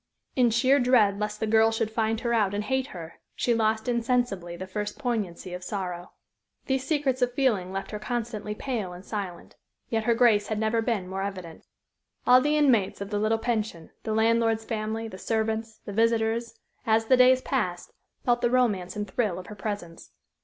In sheer dread lest the girl should find her out and hate her, she lost insensibly the first poignancy of sorrow. These secrets of feeling left her constantly pale and silent. Yet her grace had never been more evident. All the inmates of the little pension, the landlord's family, the servants, the visitors, as the days passed, felt the romance and thrill of her presence.